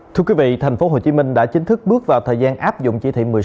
thưa quý vị thành phố hồ chí minh đã chính thức bước vào thời gian áp dụng chỉ thị một mươi sáu